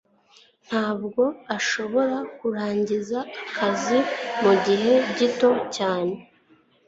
Ntabwo nshobora kurangiza akazi mugihe gito cyane.